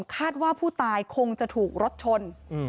คาดว่าผู้ตายคงจะถูกรถชน